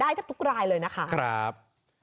จับได้กับทุกรายเลยนะคะครับ